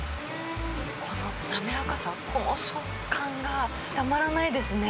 この滑らかさ、この食感がたまらないですね。